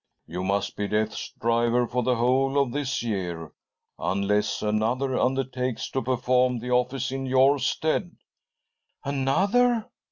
" You must be Death's driver for the whole of this year, unless another undertakes to perform the office in your stead." " Another